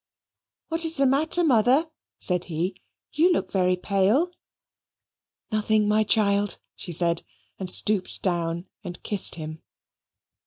"What is the matter, Mother?" said he; "you look very pale." "Nothing, my child," she said and stooped down and kissed him.